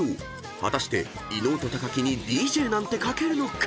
［果たして伊野尾と木にＤＪなんて描けるのか］